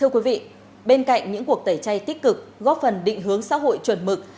thưa quý vị bên cạnh những cuộc tẩy chay tích cực góp phần định hướng xã hội chuẩn mực